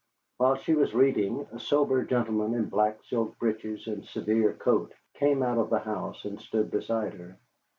While she was reading, a sober gentleman in black silk breeches and severe coat came out of the house and stood beside her.